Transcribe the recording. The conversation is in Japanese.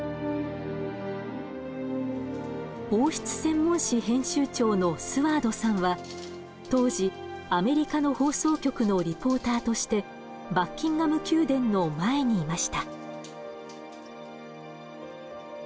王室専門誌編集長のスワードさんは当時アメリカの放送局のリポーターとしてバッキンガム宮殿の前にいました。